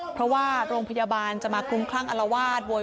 เพราะว่าโรงพยาบาลจะมากูงคลั่งลวาส